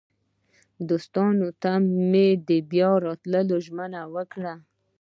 دوستانو ته مې د بیا راتلو ژمنه وکړه.